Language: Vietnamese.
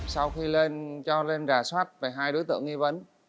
sau khi lên cho lên rà soát về hai đối tượng nghi vấn